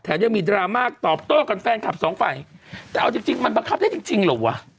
ยังมีดราม่าตอบโต้กับแฟนคลับสองฝ่ายแต่เอาจริงจริงมันบังคับได้จริงจริงเหรอวะ